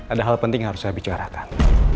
ada hal penting yang harus saya bicarakan